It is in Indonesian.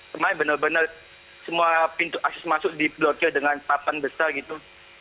kemarin benar benar semua pintu akses masuk diblokir dengan papan besar gitu